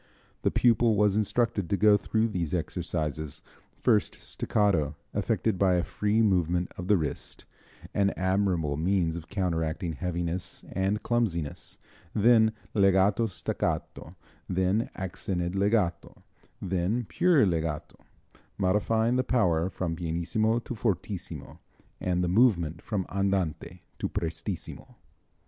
The pupil was instructed to go through these exercises first staccato, effected by a free movement of the wrist, an admirable means of counteracting heaviness and clumsiness, then legato staccato, then accented legato, then pure legato, modifying the power from pp to ff, and the movement from andante to prestissimo.